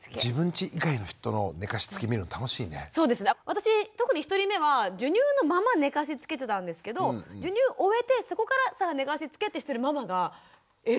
私特に１人目は授乳のまま寝かしつけてたんですけど授乳を終えてそこからさあ寝かしつけってしてるママが偉い。